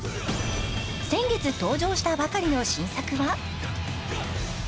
先月登場したばかりの新作は？